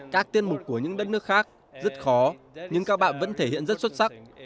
các tiên mục của những đất nước khác rất khó nhưng các bạn vẫn thể hiện rất xuất sắc